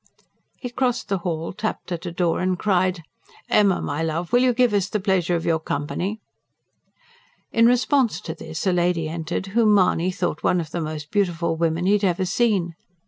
He crossed the hall, tapped at a door and cried: "Emma, my love, will you give us the pleasure of your company?" In response to this a lady entered, whom Mahony thought one of the most beautiful women he had ever seen.